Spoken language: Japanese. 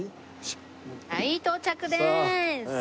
はい到着でーす！